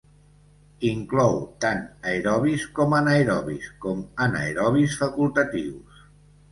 Inclou tant aerobis com anaerobis, com anaerobis facultatius.